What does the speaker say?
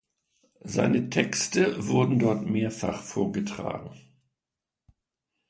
Seine Texte wurden dort mehrfach vorgetragen.